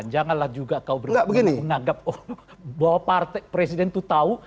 janganlah juga kau berpengenanggap bahwa partai presiden tuh tahu